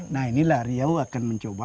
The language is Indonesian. nah inilah riau akan mencoba